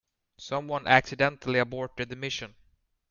Someone accidentally aborted the mission.